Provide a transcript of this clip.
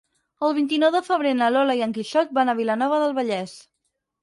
El vint-i-nou de febrer na Lola i en Quixot van a Vilanova del Vallès.